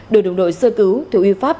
đội đồng đội sơ cứu thiếu úy pháp